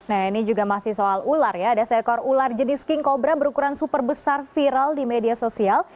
nah ini juga masih soal ular ya ada seekor ular jenis king cobra berukuran super besar viral di media sosial